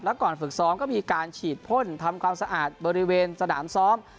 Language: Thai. ก่อนฝึกซ้อมก็มีการฉีดพ่นทำความสะอาดบริเวณสนามซ้อม